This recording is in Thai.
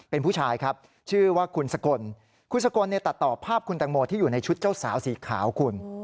เป็นผู้ชายครับชื่อว่าคุณสกลคุณสกลตัดต่อภาพคุณแตงโมที่อยู่ในชุดเจ้าสาวสีขาวคุณ